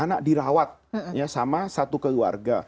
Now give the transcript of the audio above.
anak dirawat ya sama satu keluarga